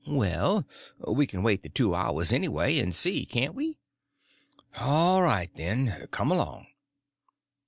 "Well, we can wait the two hours anyway and see, can't we?" "All right, then; come along."